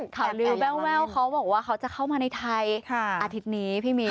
ทำรวดแววเค้าบอกเค้าจะเข้ามาในไทยอาทิตย์นี้พี่มีน